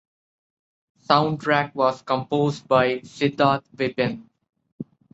Soundtrack was composed by Siddharth Vipin.